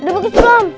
udah bagus belum